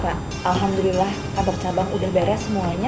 alhamdulillah kantor cabang udah beres semuanya